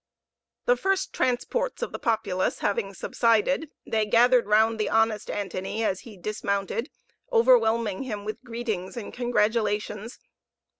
The first transports of the populace having subsided, they gathered round the honest Antony, as he dismounted, overwhelming him with greetings and congratulations.